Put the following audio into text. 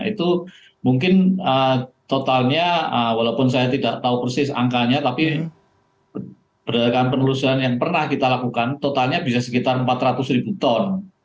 itu mungkin totalnya walaupun saya tidak tahu persis angkanya tapi berdasarkan penelusuran yang pernah kita lakukan totalnya bisa sekitar empat ratus ribu ton